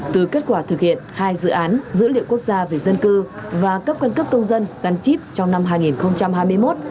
từ kết quả thực hiện hai dự án dữ liệu quốc gia về dân cư và cấp căn cấp công dân gắn chip trong năm hai nghìn hai mươi một